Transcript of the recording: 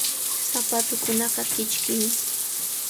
Sapatuukunaqa kichkimi.